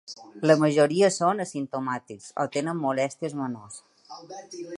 La majoria són asimptomàtics o tenen molèsties menors.